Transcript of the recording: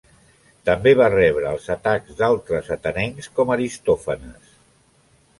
També va rebre els atacs d'altres atenencs com Aristòfanes.